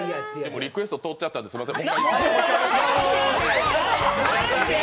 リクエスト、通っちゃったんですいません。